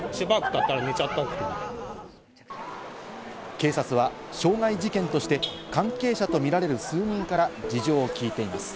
警察は傷害事件として関係者とみられる数人から事情を聞いています。